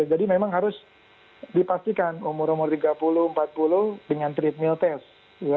jadi memang harus dipastikan umur umur tiga puluh empat puluh dengan treadmill test